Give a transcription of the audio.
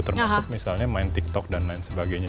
termasuk misalnya main tiktok dan lain sebagainya